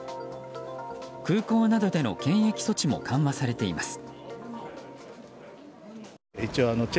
空港などでの検疫措置も緩和されています。